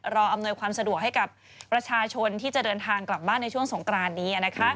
อำนวยความสะดวกให้กับประชาชนที่จะเดินทางกลับบ้านในช่วงสงกรานนี้